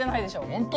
本当？